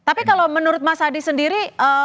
tapi kalau menurut mas adi sendiri